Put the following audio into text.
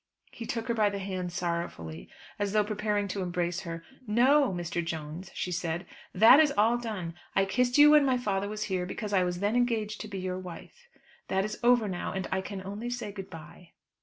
He took her by the hand sorrowfully, as though preparing to embrace her. "No, Mr. Jones," she said, "that is all done. I kissed you when my father was here, because I was then engaged to be your wife. That is over now, and I can only say good bye."